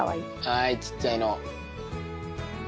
はいちっちゃいの。